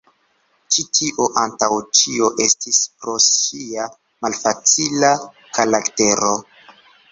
Ĉi tio antaŭ ĉio estis pro ŝia malfacila karaktero.